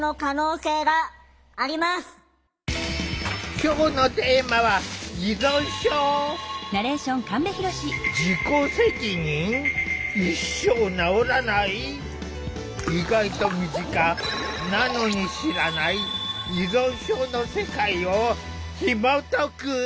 今日のテーマは意外と身近なのに知らない依存症の世界をひもとく！